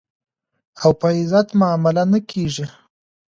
او په عزت معامله نه کېږي.